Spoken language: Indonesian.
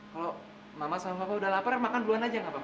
kalau mama sama papa udah lapar makan duluan aja nggak pak